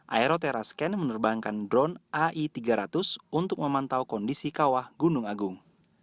aeroterrascan menerbangkan drone ai tiga ratus untuk memantau kondisi kawah gunung agung